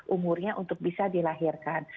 umurnya untuk bisa dilahirkan